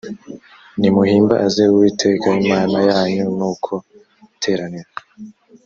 nimuhimbaze uwiteka imana yanyu nuko iteraniro